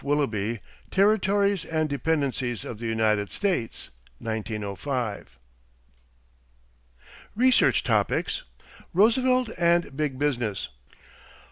Willoughby, Territories and Dependencies of the United States (1905). =Research Topics= =Roosevelt and "Big Business."